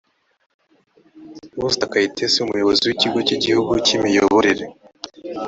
usta kayitesi umuyobozi w ikigo cy igihugu cy imiyoborere